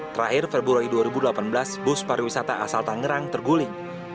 terakhir februari dua ribu delapan belas bus pariwisata asal tangerang terguling